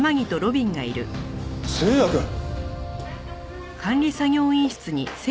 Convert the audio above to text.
星也くん！